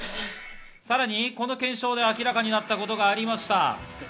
さらにこの検証で明らかになったことがありました。